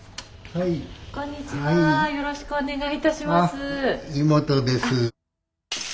はい。